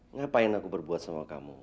ngapain aku berbuat sama kamu